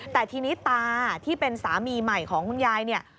แต่ทีนี้ตาที่เป็นสามีใหม่ของคุณยายเนี่ย